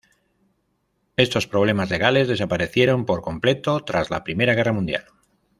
Estos problemas legales desaparecieron por completo tras la Primera Guerra Mundial.